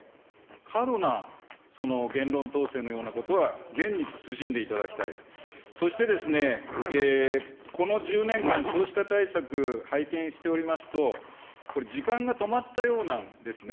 過度な言論統制のようなことは、げんに慎んでいただきたい、そしてこの１０年間、少子化対策拝見しておりますと、これ、時間が止まったようなんですね。